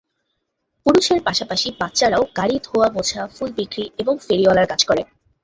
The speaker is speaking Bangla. পুরুষের পাশাপাশি বাচ্চারাও গাড়ি ধোয়া-মোছা, ফুল বিক্রি এবং ফেরিওয়ালার কাজ করে।